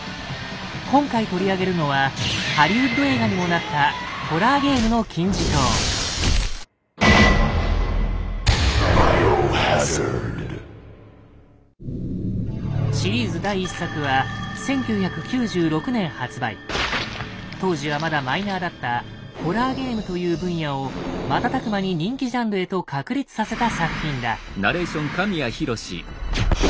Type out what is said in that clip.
今回取り上げるのはハリウッド映画にもなったシリーズ第１作は当時はまだマイナーだった「ホラーゲーム」という分野を瞬く間に人気ジャンルへと確立させた作品だ。